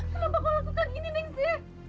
kenapa kau lakukan gini ning si